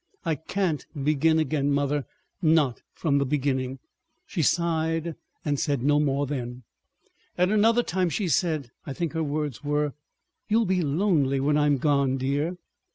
I can't begin again, mother, not from the beginning." She sighed and said no more then. At another time she said—I think her words were: "You'll be lonely when I'm gone dear."